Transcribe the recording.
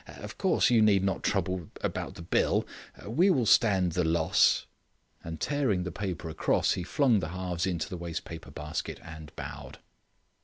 Of course you need not trouble about the bill. We will stand the loss." And, tearing the paper across, he flung the halves into the waste paper basket and bowed.